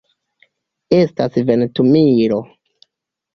Estas ventumilo.